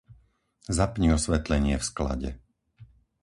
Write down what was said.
Zapni osvetlenie v sklade.